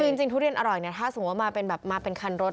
คือจริงทุเรียนอร่อยเนี่ยถ้าสมมุติมาเป็นแบบมาเป็นคันรถ